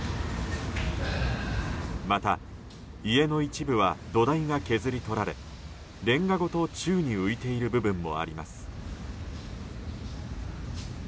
また、家の一部は土台が削り取られレンガごと宙に浮いている部分もあります。